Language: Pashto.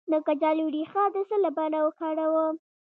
د کچالو ریښه د څه لپاره وکاروم؟